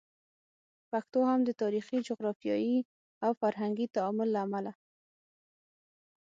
پښتو هم د تاریخي، جغرافیایي او فرهنګي تعامل له امله